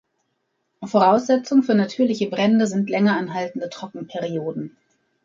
Voraussetzung für natürliche Brände sind länger anhaltende Trockenperioden.